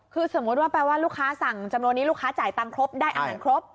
คือสมมุติว่าแปลว่าลูกค้าสั่งจำนวนนี้ลูกค้าจ่ายตังค์ครบได้อาหารครบ